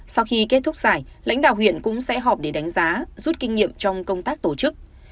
sau khi kết thúc giải lãnh đạo huyện cũng sẽ họp để đánh giá rút kinh nghiệm trong công tác tổ chức